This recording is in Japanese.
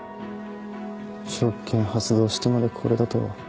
職権発動してまでこれだと。